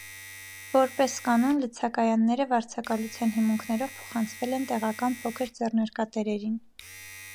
Որպես կանոն, լցակայանները վարձակալության հիմունքներով փոխանցվել են տեղական փոքր ձեռնարկատերերին։